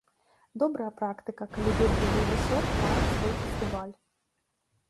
Добрая практыка, калі добры рэжысёр мае свой фестываль.